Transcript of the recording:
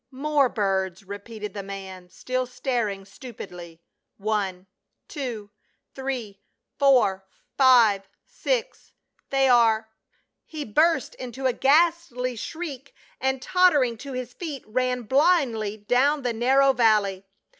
" More birds," repeated the man, still staring stu pidly. " One, two, three, four, five, six. They are —" He burst into a ghastly shriek, and tottering to his feet ran blindly down the narrow valley.